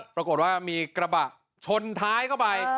ปรากฏว่ามีกระบะชนท้ายเข้าไป